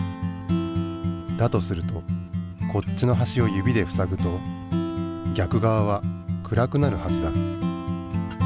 だとするとこっちのはしを指でふさぐとぎゃく側は暗くなるはずだ。